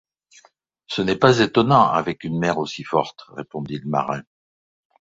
Ce n’est pas étonnant, avec une mer aussi forte, répondit le marin.